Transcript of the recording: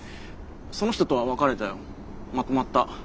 その人とは別れたよまとまった。